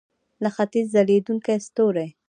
د ختیځ ځلیدونکی ستوری.